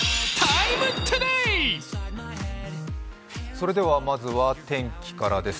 それでは、まずは天気からです。